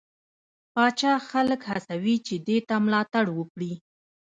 پاچا خلک هڅوي چې دې ده ملاتړ وکړي.